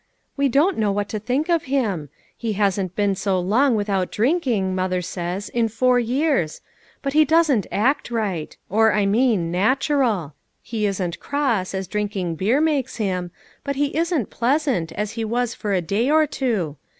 " We don't know what to think of him. He hasn't been so long without drinking, mother 340 LITTLE FISHERS: AND THEIR NETS. says, in four years. But he doesn't act right ; or, I mean, natural. He isn't cross, as drinking beer makes him, but he isn't pleasant, as he was for a day or two.